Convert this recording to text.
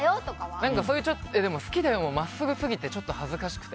でも、好きだよも真っすぐすぎてちょっと恥ずかしくて。